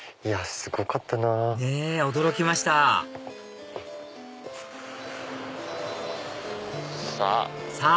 すごかったな。ねぇ驚きましたさぁ！